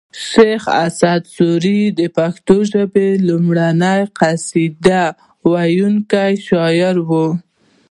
شیخ اسعد سوري د پښتو ژبې لومړنۍ قصیده ویونکی شاعر و